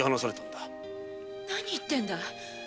何言ってんだい？